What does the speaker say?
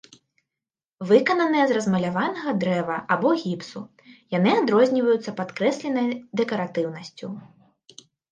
Выкананыя з размаляванага дрэва або гіпсу, яны адрозніваюцца падкрэсленай дэкаратыўнасцю.